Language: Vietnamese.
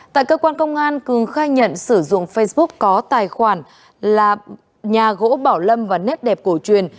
tại cơ quan công an cường khai nhận sử dụng facebook có tài khoản là nhà gỗ bảo lâm và nét đẹp cổ truyền